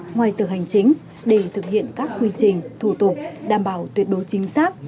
ngoài giờ hành chính để thực hiện các quy trình thủ tục đảm bảo tuyệt đối chính xác